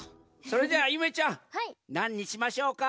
それじゃあゆめちゃんなんにしましょうか？